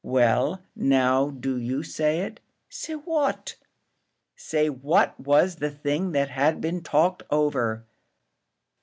"Well, now do you say it." "Say what?" "Say what was the thing that had been talked over."